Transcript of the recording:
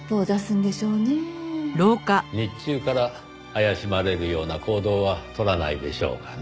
日中から怪しまれるような行動はとらないでしょうがね。